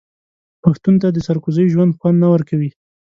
پښتون ته د سرکوزۍ ژوند خوند نه ورکوي.